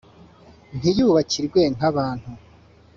ntiyubakirwe nk’abantu,